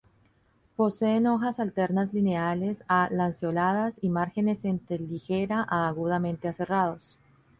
Poseen hojas alternas lineales a lanceoladas y márgenes entre ligera a agudamente aserrados.